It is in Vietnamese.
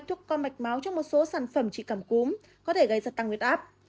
thuốc con mạch máu cho một số sản phẩm trị cảm cúm có thể gây ra tăng huyết áp